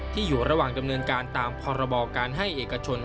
อยู่ระหว่างดำเนินการตามพรบการให้เอกชน